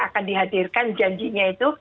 akan dihadirkan janjinya itu